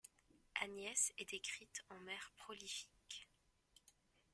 Agnès est décrite en mère prolifique.